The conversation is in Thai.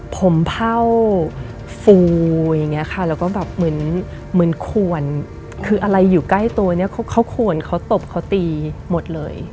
ผมเผ่าฟูอย่างนี้ค่ะแล้วก็แบบเหมือนขวนคืออะไรอยู่ใกล้ตัวเนี่ยเขาขวนเขาตบเขาตีหมดเลย